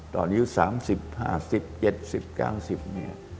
ตอนนี้๓๐๕๐